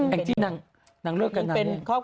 แห่งที่นางเลือกกันนั้นเนี่ย